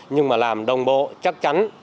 nhưng mà làm đồng bộ chắc chắn